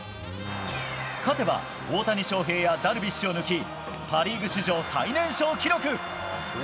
勝てば大谷翔平やダルビッシュを抜きパ・リーグ史上最年少記録。